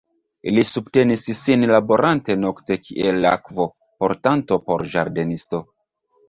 Li subtenis sin laborante nokte kiel akvo-portanto por ĝardenisto.